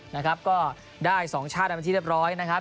นะครับก็ได้๒ชาติประมาณที่เรียบร้อยนะครับ